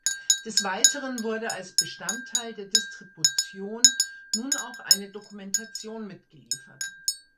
Des Weiteren wurde als Bestandteil der Distribution nun auch eine Dokumentation mitgeliefert.